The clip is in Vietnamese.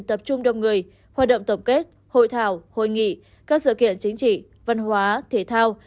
tập trung đông người hoạt động tổng kết hội thảo hội nghị các sự kiện chính trị văn hóa thể thao